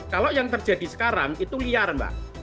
kalau yang terjadi sekarang itu liar mbak